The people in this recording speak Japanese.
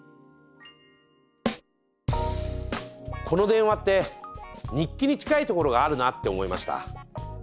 この電話って日記に近いところがあるなって思いました。